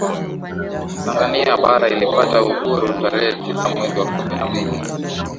Tanzania bara ilipata uhuru tarehe tisa mwezi wa kumi na mbili